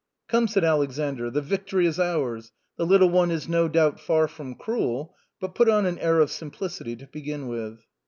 " Come," said Alexander, " the victory is ours, the little one is no doubt far from cruel, but put on an air of sim plicity to begin with."